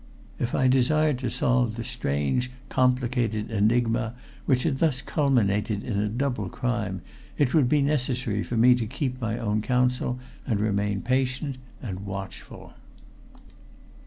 If I desired to solve the strange complicated enigma which had thus culminated in a double crime, it would be necessary for me to keep my own counsel and remain patient and watchful.